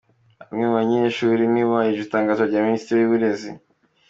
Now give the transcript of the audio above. Bamwe mu banyeshuri ntibubahirije itangazo rya Minisiteri y’Uburezi